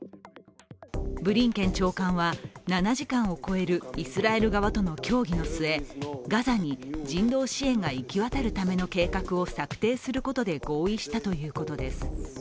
ブリンケン長官は７時間を超えるイスラエル側との協議の末、ガザに人道支援が行き渡るための計画を策定することで合意したということです。